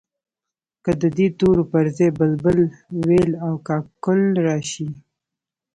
که د دې تورو پر ځای بلبل، وېل او کاکل راشي.